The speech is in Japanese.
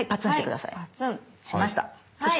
しました。